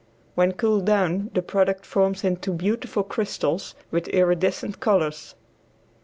When cooled down the product forms into beautiful crystals with iridescent colors.